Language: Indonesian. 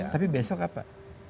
tapi besok apa